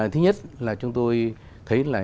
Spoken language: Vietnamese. thứ nhất là chúng tôi thấy là